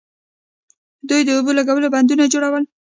دوی د اوبو لګولو بندونه جوړول